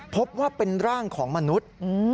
พบว่าเป็นร่างของมนุษย์